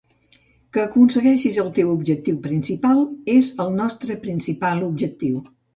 Que aconsegueixis el teu objectiu principal és el nostre principal objectiu.